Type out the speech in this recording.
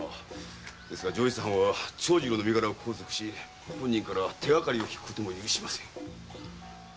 ですが上越藩は長次郎の身柄を拘束し本人から手がかりを聞くことも許しません。